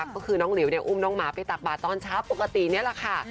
ก็คือน้องหลิวอุ้มน้องหมาไปตักบาทตอนเช้าปกตินี่แหละค่ะ